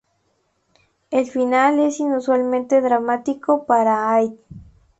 El final es inusualmente dramático para Haydn.